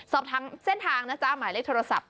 สอบทั้งเส้นทางนะจ๊ะหมายเลขโทรศัพท์๐๘๑๕๙๗๔๕๒๕